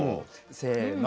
せの。